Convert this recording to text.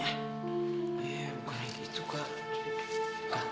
ya bukannya gitu kak